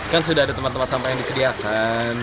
kan sudah ada teman teman sampah yang disediakan